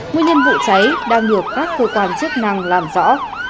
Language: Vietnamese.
nguyên nhân vụ cháy đang được các cơ quan chức năng làm rõ